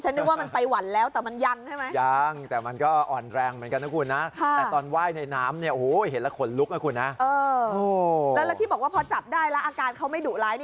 นี่ฉันนึกว่ามันไปหวั่นแล้วแต่มันยันใช่ไหม